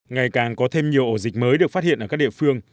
ngày càng có thêm nhiều ổ dịch mới được phát hiện ở các địa phương